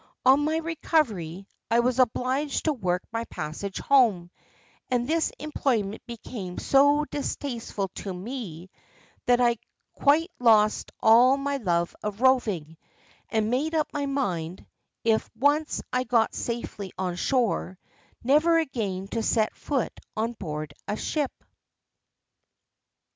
On my recovery, I was obliged to work my passage home, and this employment became so distasteful to me, that I quite lost all my love of roving, and made up my mind, if once I got safely on shore, never again to set my foot on board ship."